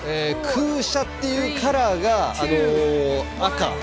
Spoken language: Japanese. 「空車」っていうカラーがあの赤。